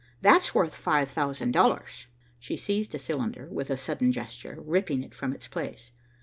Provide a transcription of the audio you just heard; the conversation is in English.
That's worth five thousand dollars." She seized a cylinder, with a sudden gesture, ripping it from its place.